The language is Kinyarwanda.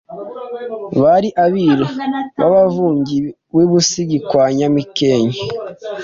Bari Abiru b’abavubyi b’ I Busigi kwa Nyamikenke